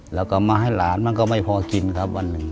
แล้วก็มาให้หลานมันก็ไม่พอกินครับวันหนึ่ง